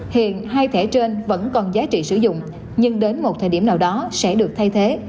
hiện hai thẻ trên vẫn còn giá trị sử dụng nhưng đến một thời điểm nào đó sẽ được thay thế